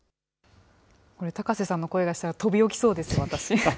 これ、高瀬さんの声がしたら飛び起きそうです、私。